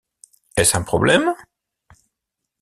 Est-ce un problème?